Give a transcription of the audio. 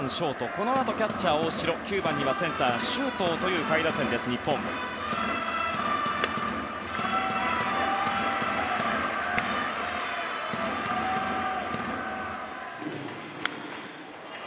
このあとキャッチャー大城９番にはセンターの周東という下位打線の日本です。